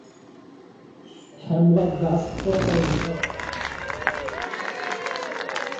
Hemlock গাছ পুরোটাই বিষাক্ত।